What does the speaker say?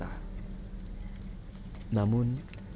namun kondisi keuangan suaminya yang tak jauh berbeda